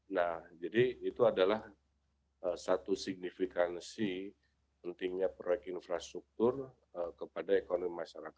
nah jadi itu adalah satu signifikansi pentingnya proyek infrastruktur kepada ekonomi masyarakat